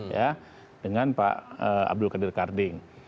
ya dengan pak abdul kedirkarding